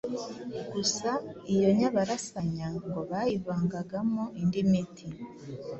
gusa iyo nyabarasanya ngo bayivangagamo indi miti